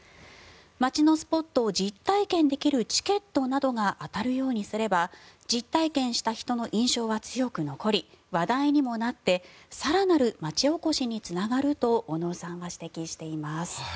街のスポットを実体験できるチケットなどが当たるようにすれば実体験した人の印象は強く残り話題にもなって更なる町おこしにつながると小野尾さんは指摘しています。